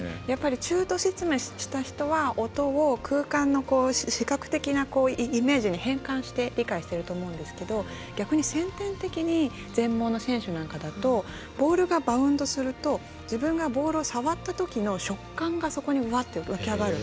中途失明をした人は音を、空間の視覚的なイメージに変換して理解していると思うんですけど逆に、先天的な全盲の選手なんかだとボールがバウンドすると自分がボールを触ったときに触感がそこに浮き上がる。